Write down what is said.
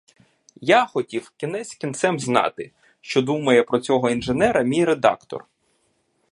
Я хотів кінець кінцем знати, що думає про цього інженера мій редактор.